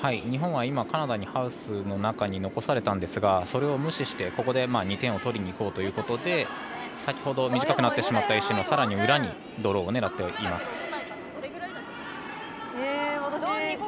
日本は今カナダに、ハウスの中に残されたんですがそれを無視して、ここで２点を取りにいこうということで先ほど短くなってしまった石のさらに裏にドローを狙っています。